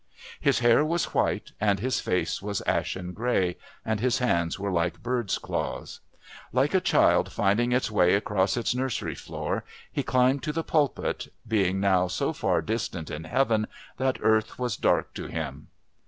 His hair was white, and his face was ashen grey, and his hands were like bird's claws. Like a child finding its way across its nursery floor he climbed to the pulpit, being now so far distant in heaven that earth was dark to him.